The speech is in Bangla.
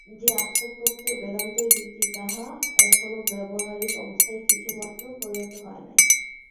যে আত্মপ্রত্যয় বেদান্তের ভিত্তি, তাহা এখনও ব্যাবহারিক অবস্থায় কিছুমাত্রও পরিণত হয় নাই।